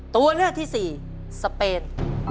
ตัวเลือกที่๔สเปน